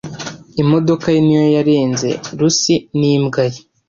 Imodoka ye niyo yarenze Lucy n'imbwa ye.